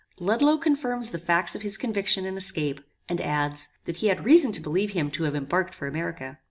"Ludloe confirms the facts of his conviction and escape; and adds, that he had reason to believe him to have embarked for America.